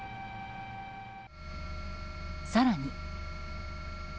更に。